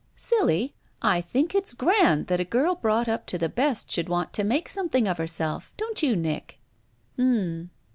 "Silly! I think it's grand that a girl brought up to the best should want to make something of her self. Don't you, Nick?" *'H m m!"